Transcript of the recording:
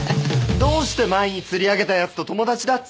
どうして前に釣り上げたやつと友達だって。